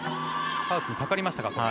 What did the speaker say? ハウスにかかりましたか。